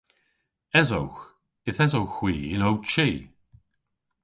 Esowgh. Yth esowgh hwi yn ow chi.